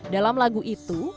dalam lagu itu